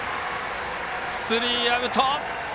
スリーアウト！